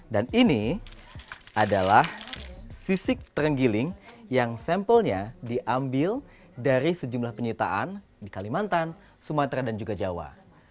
dan ini adalah sisik terenggiling yang sampelnya diambil dari sejumlah penyitaan di kalimantan sumatera dan juga jawa